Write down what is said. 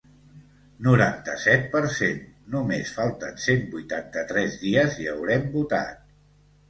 Noranta-set per cent Només falten cent vuitanta-tres dies i haurem votat.